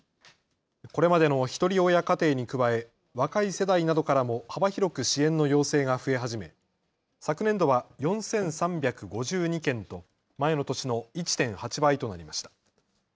これまでのひとり親家庭に加え若い世代などからも幅広く支援の要請が増え始め、昨年度は４３５２件と前の年の１．８倍となりました。